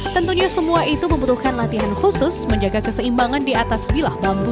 tentunya semua itu membutuhkan latihan khusus menjaga keseimbangan di atas bilah bambu